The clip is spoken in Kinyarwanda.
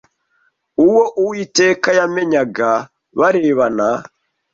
uwo Uwiteka yamenyaga barebana